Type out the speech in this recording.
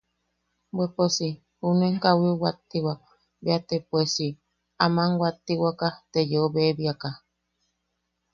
Bwe poos si... junuen kawiu wattiwak bea te pues si... aman wattiwaka, te yeu bebiaka.